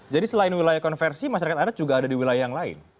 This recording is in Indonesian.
jadi selain wilayah konversi masyarakat adat juga ada di wilayah yang lain